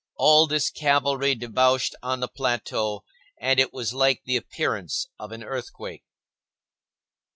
All this cavalry debouched on the plateau, and it was like the appearance of an earthquake.